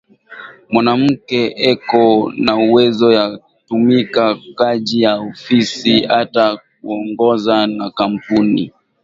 Mwanamuke eko na uwezo ya tumika kaji ya ofisi ata ku ongoza ma kampuni